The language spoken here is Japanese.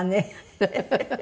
フフフフ。